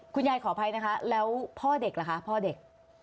ขออภัยนะคะแล้วพ่อเด็กล่ะคะพ่อเด็ก